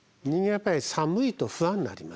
やっぱり寒いと不安になります。